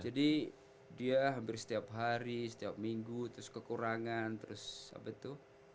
jadi dia hampir setiap hari setiap minggu terus kekurangan terus apa itu